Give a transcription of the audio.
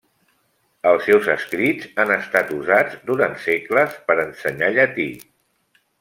Els seus escrits han estat usats durant segles per ensenyar llatí.